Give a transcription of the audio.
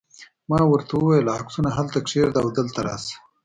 ما ورته وویل: عکسونه هلته کښېږده او دلته راشه.